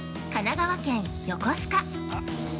神奈川県、横須賀。